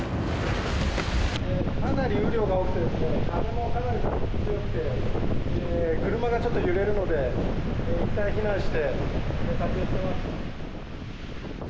かなり雨量が多くて風もかなり強くて車がちょっと揺れるのでいったん避難して撮影しています。